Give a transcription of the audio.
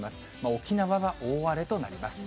沖縄は大荒れとなります。